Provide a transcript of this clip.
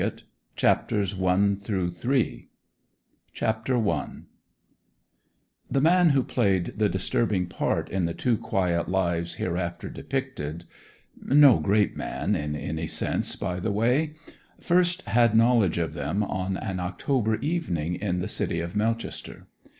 ON THE WESTERN CIRCUIT CHAPTER I The man who played the disturbing part in the two quiet lives hereafter depicted—no great man, in any sense, by the way—first had knowledge of them on an October evening, in the city of Melchester.